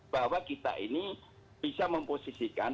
bahwa kita ini bisa memposisikan